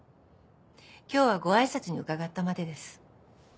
今日はご挨拶に伺ったまでです。